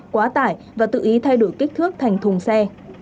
quá tải và tự ý thay đổi kích thước thành thùng xe